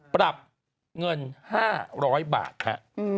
ปรับเงิน๕๐๐บาทครับ